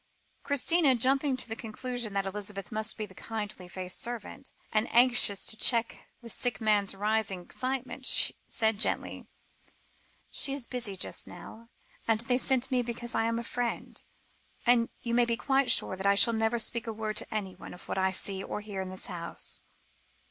Christina, jumping to the conclusion that Elizabeth must be the kindly faced servant, and anxious to check the sick man's rising excitement, said gently: "She is busy just now, and they sent me because I am a friend; and you may be quite sure that I shall never speak a word to anyone of what I see or hear in this house."